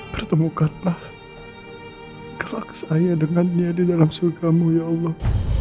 pertemukanlah gerak saya dengannya di dalam surgamu ya allah